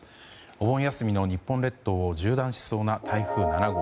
お盆休みの日本列島を縦断しそうな台風７号。